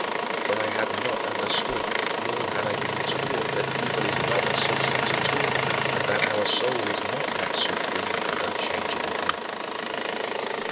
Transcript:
For I had not understood nor had I been taught that evil is not a substance at all and that our soul is not that supreme and unchangeable good.